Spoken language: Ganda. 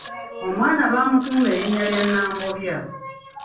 Omwana baamutuuma erinnya lya Nambobya.